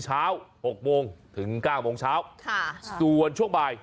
เช้า๖โมงถึง๙โมงเช้าส่วนช่วงบ่าย